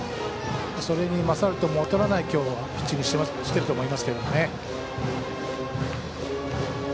それに勝るとも劣らないピッチングをしていると思います。